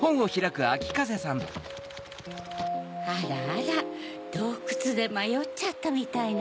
あらあらどうくつでまよっちゃったみたいね。